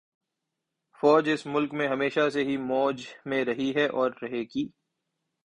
فوج اس ملک میں ہمیشہ سے ہی موج میں رہی ہے اور رہے گی